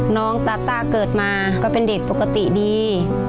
น้องตาต้าเกิดมาก็เป็นเด็กปกติดี